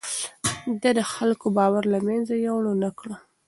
ده د خلکو باور له منځه يووړ نه کړ.